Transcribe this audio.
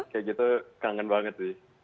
wah kayak gitu kangen banget